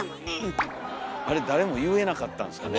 あれ誰も言えなかったんですかね。